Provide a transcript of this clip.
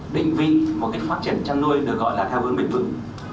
định vị một cái phát triển chăn nuôi được gọi là theo hướng bình thường